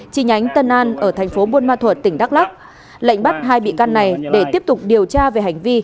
chi nhánh tân an ở thành phố buôn ma thuật tỉnh đắk lắc lệnh bắt hai bị can này để tiếp tục điều tra về hành vi